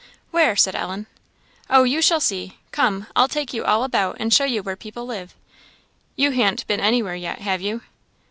"Where?" said Ellen. "Oh, you shall see. Come! I'll take you all about and show you where people live. You ha'nt been anywhere yet, have you?"